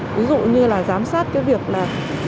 ví dụ như là giám sát cái việc là